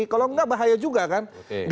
kalau enggak bahaya juga kan